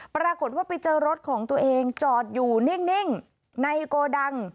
ปรากฏว่าไปเจอรถของตัวเองจอดอยู่นิ่งในโกดัง